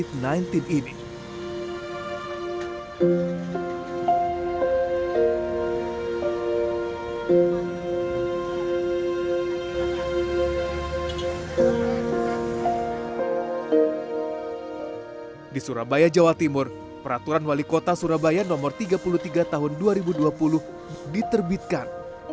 di surabaya jawa timur peraturan wali kota surabaya no tiga puluh tiga tahun dua ribu dua puluh diterbitkan